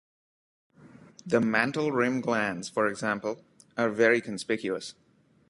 The mantle rim glands, for example, are very conspicuous.